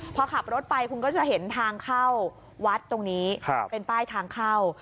พอขับรถไปคุณก็จะเห็นทางเข้าวัดตรงนี้เป็นป้ายทางเข้า